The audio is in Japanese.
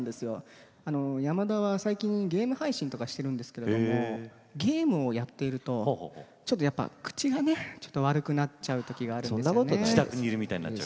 山田は最近ゲーム配信をしているんですけれどゲームをやっているとちょっとやっぱり口がね悪くなってしまうときがあるんです。